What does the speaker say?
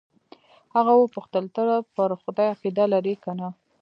هغه وپوښتل ته پر خدای عقیده لرې که نه.